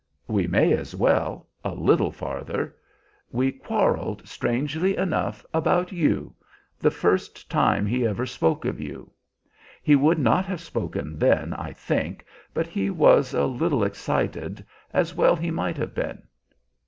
"We may as well, a little farther. We quarreled, strangely enough, about you, the first time he ever spoke of you. He would not have spoken then, I think, but he was a little excited, as well he might have been.